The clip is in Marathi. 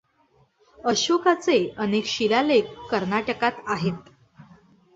अशोकाचे अनेक शिलालेख कर्नाटकात आहेत.